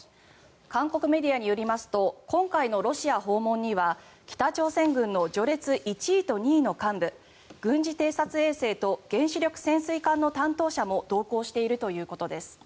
韓国メディアによりますと今回のロシア訪問には北朝鮮軍の序列１位と２位の幹部軍事偵察衛星と原子力潜水艦の担当者も同行しているということです。